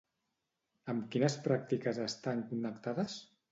Amb quines pràctiques estan connectades?